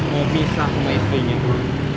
mau pisah sama istrinya dulu